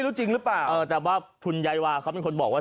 แต่ว่าคุณยายวาเขาเป็นคนบอกว่า